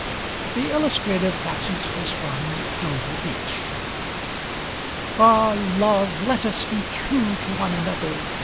The illustrative passage is from 'Dover Beach': "Ah, love, let us be true To one another!